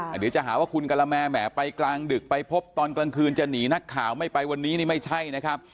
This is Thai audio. เดี๋ยวจะหาว่าคุณกะละแม่แหมไปกลางดึกไปพบตอนกลางคืนจะหนีนักข่าวไม่ไปวันนี้นี่ไม่ใช่นะครับ